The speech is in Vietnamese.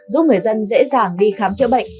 giúp người dân dễ dàng đi khám chữa bệnh